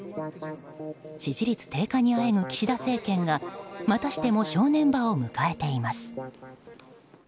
支持率低下にあえぐ岸田政権がまたしても正念場を迎えています。